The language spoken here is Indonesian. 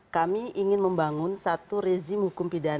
kami ingin membangun satu rezim hukum pidana